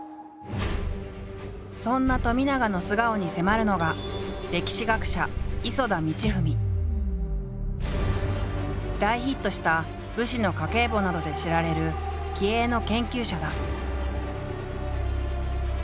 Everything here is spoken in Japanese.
そんな冨永の素顔に迫るのが大ヒットした「武士の家計簿」などで知られる気鋭の研究者だ。